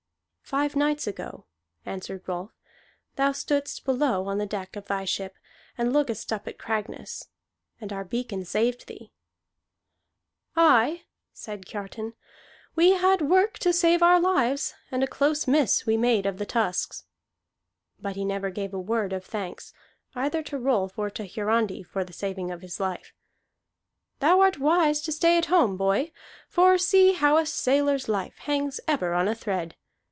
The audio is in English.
"Five nights ago," answered Rolf, "thou stoodst below on the deck of thy ship, and lookedst up at Cragness. And our beacon saved thee." "Aye," said Kiartan. "We had work to save our lives, and a close miss we made of the Tusks." But he never gave a word of thanks, either to Rolf or to Hiarandi, for the saving of his life. "Thou art wise to stay at home, boy; for see how a sailor's life hangs ever on a thread.